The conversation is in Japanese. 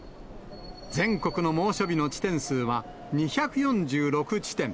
全国の猛暑日の地点数は、２４６地点。